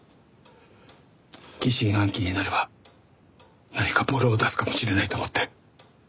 疑心暗鬼になれば何かボロを出すかもしれないと思って。